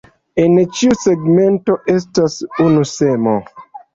En ĉiu segmento estas unu semo.